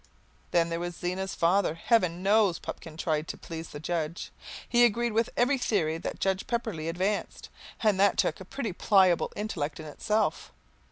Then there was Zena's father. Heaven knows Pupkin tried hard to please the judge. He agreed with every theory that Judge Pepperleigh advanced, and that took a pretty pliable intellect in itself.